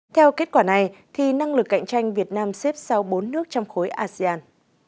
theo kết quả này năng lực cạnh tranh việt nam xếp sau bốn nước trong khối asean